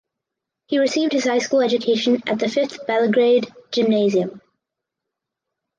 He received his high school education at the Fifth Belgrade Gymnasium.